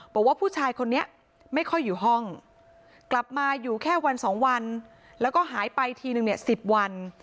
บอกว่าผู้ชายคนนี้ไม่ค่อยอยู่ห้องกลับมาอยู่แค่วันสองวันแล้วก็หายไปทีนึงเนี่ย๑๐วัน